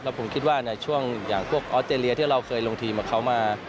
ผมคิดว่าในช่วงอย่างพวกออสเตรเลียที่เราเคยลงทีมกับเขามา